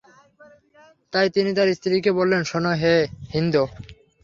তাই তিনি তার স্ত্রীকে বললেন, শোন হে হিন্দ!